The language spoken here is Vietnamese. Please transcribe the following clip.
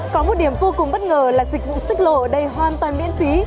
có một điểm vô cùng bất ngờ là dịch vụ xích lộ ở đây hoàn toàn miễn phí